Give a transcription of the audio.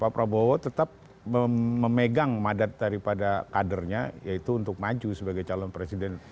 pak prabowo tetap memegang madat daripada kadernya yaitu untuk maju sebagai calon presiden